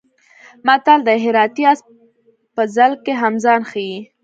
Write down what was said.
متل دی: هراتی اس په ځل کې هم ځان ښي.